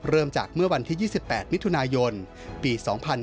เริ่มจากเมื่อวันที่๒๘มิถุนายนปี๒๕๕๙